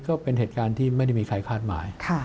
ก็เป็นเหตุการณ์ที่ไม่ได้มีใครคาดหมาย